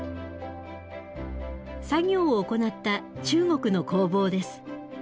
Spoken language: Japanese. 作業を行った中国の工房です。